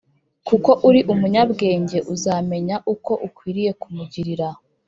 kuko uri umunyabwenge uzamenye uko ukwiriye kumugirira